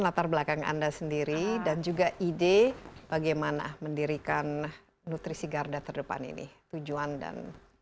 latar belakang anda sendiri dan juga ide bagaimana mendirikan nutrisi garda terdepan ini tujuan dan